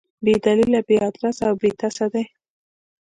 بې دلیله، بې ادرسه او بې ټسه دي.